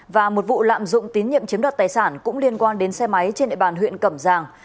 và một vụ lạm dụng tín nhiệm chiếm đoạt tài sản cũng liên quan đến xe máy trên địa bàn huyện cẩm giang